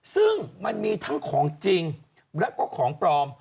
ซึ่งมันมีทั้งของจริงแล้วก็ของปลอม